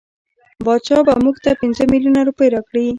بادشاه به مونږ ته پنځه میلیونه روپۍ راکړي.